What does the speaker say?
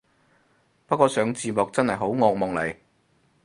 不過上字幕真係惡夢嚟